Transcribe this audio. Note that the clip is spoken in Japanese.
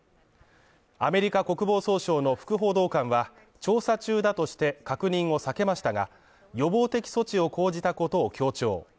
アメリカ国防総省の副報道官は調査中だとして確認を避けましたが、予防的措置を講じたことを強調。